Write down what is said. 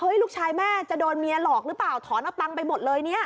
ลูกชายแม่จะโดนเมียหลอกหรือเปล่าถอนเอาตังค์ไปหมดเลยเนี่ย